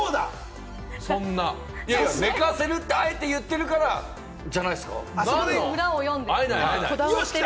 寝かせるってあえて言ってるからじゃないですか？